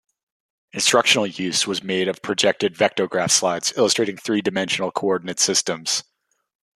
Instructional use was made of projected vectograph slides illustrating three-dimensional coordinate systems.